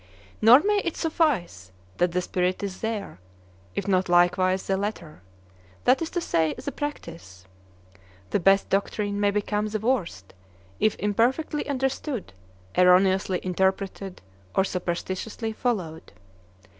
Nor may it suffice that the spirit is there, if not likewise the letter, that is to say, the practice. The best doctrine may become the worst, if imperfectly understood, erroneously interpreted, or superstitiously followed.